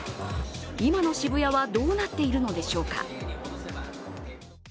今の渋谷はどうなっているのでしょうか。